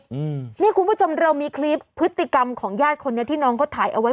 อืมนี่คุณผู้ชมเรามีคลิปพฤติกรรมของญาติคนนี้ที่น้องเขาถ่ายเอาไว้